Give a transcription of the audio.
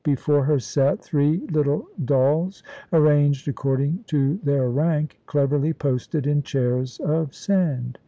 Before her sat three little dolls, arranged according to their rank, cleverly posted in chairs of sand.